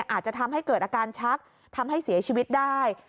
อาจจะทำให้เกิดอาการชักทำให้เสียชีวิตได้